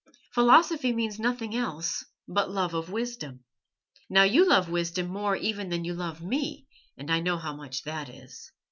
Philosophy means nothing else but love of wisdom. Now you love wisdom more even than you love me, and I know how much that is.